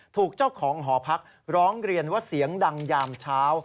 ถูกเจ้าของหอพักร้องเรียนว่าเสียงดังยามเช้า